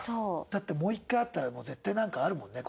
だってもう一回会ったら絶対なんかあるもんね